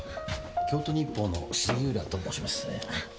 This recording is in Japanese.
京都日報の杉浦と申します。